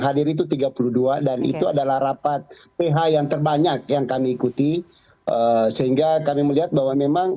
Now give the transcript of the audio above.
hadir itu tiga puluh dua dan itu adalah rapat ph yang terbanyak yang kami ikuti sehingga kami melihat bahwa memang